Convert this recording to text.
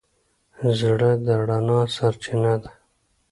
زړه د رڼا سرچینه ده.